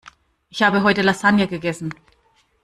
Ich habe heute Lasagne gegessen.